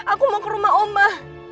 aku mau ke rumah omba